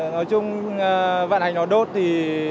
nói chung vận hành nò đốt thì